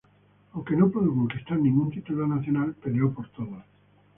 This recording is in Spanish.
Aunque no pudo conquistar ningún título nacional, peleó por todos.